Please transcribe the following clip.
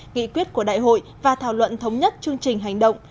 nghị quyết của đại hội và thảo luận thống nhất chương trình hành động